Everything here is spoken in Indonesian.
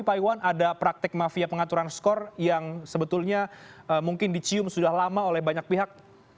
pak iwan ada praktek mafia pengaturan skor yang sebetulnya mungkin dicium sudah lama oleh banyak pihak